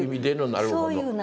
なるほど。